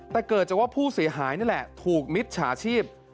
แต่เกิดจากว่าผู้เสียหายนี่แหละถูกมิจฉาชีพ